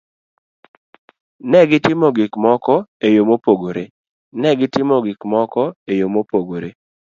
Ne gitimo gik moko e yo mopogore. Ne gitimo gik moko e yo mopogore.